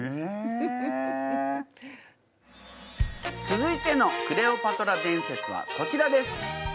続いてのクレオパトラ伝説はこちらです。